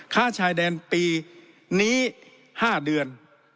ชายแดนปีนี้๕เดือน